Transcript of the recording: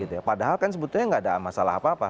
padahal kan sebetulnya nggak ada masalah apa apa